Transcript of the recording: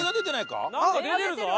なんか出てるぞ！